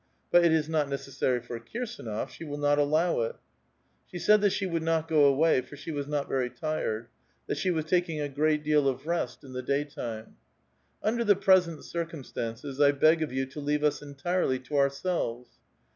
But it is not necessary for Kirsdnof; she will not allow it. She said that she would not go away, for she was not very tired ; that she was taking a great deal of rest in the daytime :—Under the present circumstances, 1 bog of you to leave us entirely to ourselves."